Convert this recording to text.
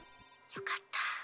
よかった。